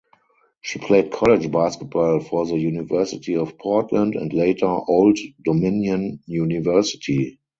She played college basketball for the University of Portland and later Old Dominion University.